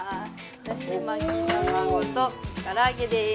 だし巻き卵とから揚げです。